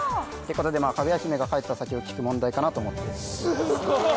ことでまあかぐや姫が帰った先を聞く問題かなと思ってすごい！